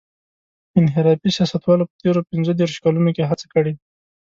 انحرافي سیاستوالو په تېرو پينځه دېرشو کلونو کې هڅه کړې.